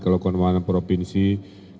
kalau kewanangan provinsi kita berjuang sama sama